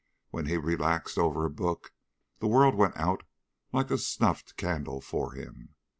When he relaxed over a book the world went out like a snuffed candle for him.